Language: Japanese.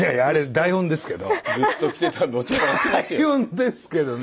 台本ですけどね。